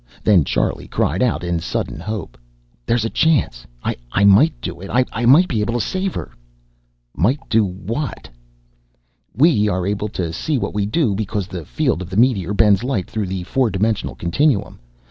Then Charlie cried out in sudden hope. "There's a chance! I might do it! I might be able to save her!" "Might do what?" "We are able to see what we do because the field of the meteor bends light through the four dimensional continuum.